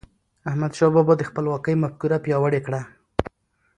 احمدشاه بابا د خپلواکی مفکوره پیاوړې کړه.